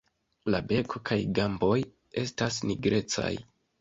La beko kaj gamboj estas nigrecaj.